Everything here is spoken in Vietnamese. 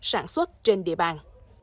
sản xuất trên địa bàn